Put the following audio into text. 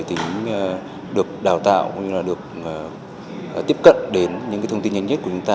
tính được đào tạo được tiếp cận đến những thông tin nhanh nhất của chúng ta